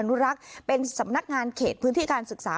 นุรักษ์เป็นสำนักงานเขตพื้นที่การศึกษา